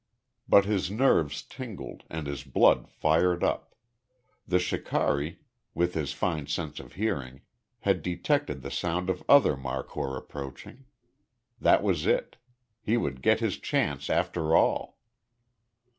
But his nerves tingled and his blood fired up. The shikari, with his fine sense of hearing, had detected the sound of other markhor approaching. That was it. He would get his chance after all.